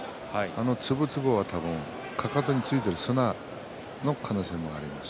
あの、つぶつぶはかかとについている砂の可能性があります。